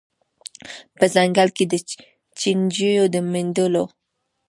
په ځنګله کي د چینجیو د میندلو